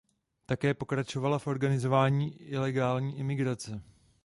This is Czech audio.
Také pokračovala v organizování ilegální imigrace.